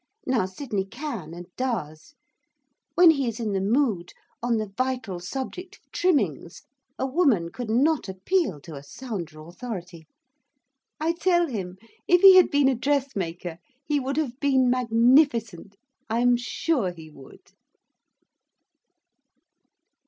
Now Sydney can and does. When he is in the mood, on the vital subject of trimmings a woman could not appeal to a sounder authority. I tell him, if he had been a dressmaker, he would have been magnificent. I am sure he would.